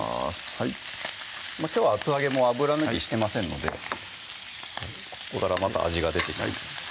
はいきょうは厚揚げも油抜きしてませんのでここからまた味が出てきます